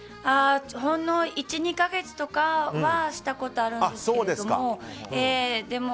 ほんの１２か月とかはしたことあるんですけれども。